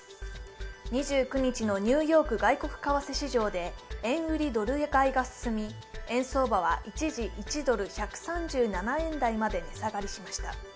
２９日のニューヨーク外国為替市場で円売り・ドル買いが進み円相場は一時１ドル＝１３７円台まで値下がりしました。